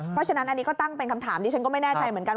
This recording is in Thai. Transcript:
เพราะฉะนั้นอันนี้ก็ตั้งเป็นคำถามดิฉันก็ไม่แน่ใจเหมือนกัน